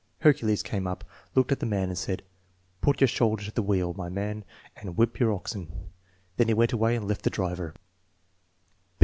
Hercules came up, looked at the man, and said: "Put your shoulder to tlie wheel, my man, and whip up your oxen." Then he went away and left tJie driver.